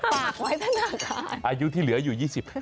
ฝากไว้ธนาคารอายุที่เหลืออยู่๒๕